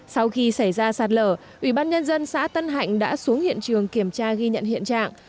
sau khi xảy ra sạt lở ủy ban nhân dân xã tân hạnh đã xuống hiện trường kiểm tra ghi nhận hiện trạng